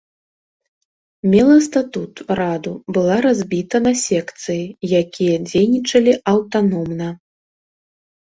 Мела статут, раду, была разбіта на секцыі, якія дзейнічалі аўтаномна.